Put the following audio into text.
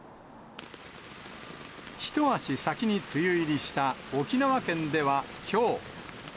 一足先に梅雨入りした沖縄県ではきょう。